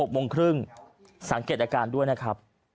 ๖โมงครึ่งสังเกตอาการด้วยนะครับ